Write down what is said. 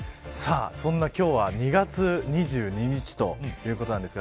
今日は２月２２日ということなんですが